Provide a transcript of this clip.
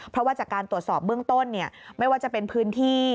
เพราะว่าจากการตรวจสอบเบื้องต้นไม่ว่าจะเป็นพื้นที่